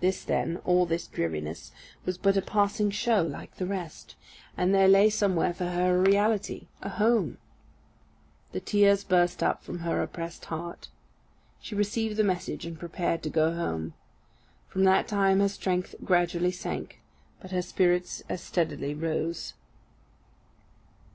This then all this dreariness was but a passing show like the rest, and there lay somewhere for her a reality a home. The tears burst up from her oppressed heart. She received the message, and prepared to go home. From that time her strength gradually sank, but her spirits as steadily rose.